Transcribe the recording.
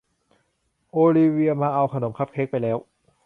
โอลิเวียมาเอาขนมคัพเค้กไปแล้ว